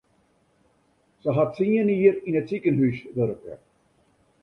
Se hat tsien jier yn it sikehús wurke.